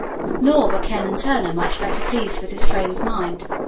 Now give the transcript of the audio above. Nor were Ken and Turner much better pleased with his frame of mind.